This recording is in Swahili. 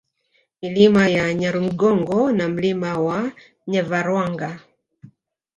Milima ya Nyarugongo na Mlima wa Nyavarwanga